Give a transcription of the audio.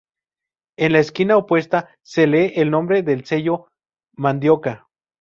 En la esquina opuesta se lee el nombre del sello: Mandioca.